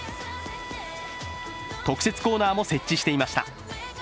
特設コーナーも設置していました。